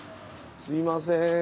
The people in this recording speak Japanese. すみません。